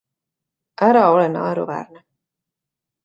Ära ole naeruväärne!